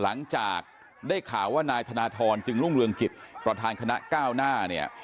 หลังจากได้ข่าวว่านายธนทรจึงรุ่งเรืองกิจประธานคณะก้าวหน้าเนี่ย